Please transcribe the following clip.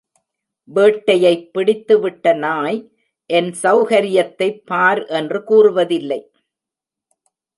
வேட்டையைப் பிடித்து விட்ட நாய், என் செளரியத்தைப் பார்! என்று கூறுவதில்லை.